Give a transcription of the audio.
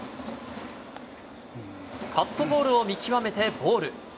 カットボールを見極めてボール。